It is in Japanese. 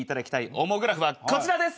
オモグラフはこちらです。